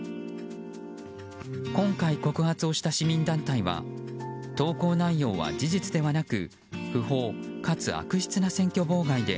今回、告発をした市民団体は投稿内容な事実ではなく不法かつ悪質な選挙妨害で